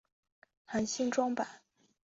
含新装版。